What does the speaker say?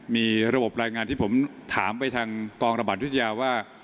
มีระบบรายงานที่ผมถามไปทางกองระบาดวิทยาว่า